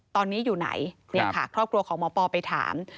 ตอนนี้อยู่ไหนเนี่ยค่ะครอบครัวของหมอปอไปถาม